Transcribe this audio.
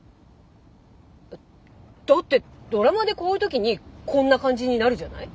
だってドラマでこういう時にこんな感じになるじゃない？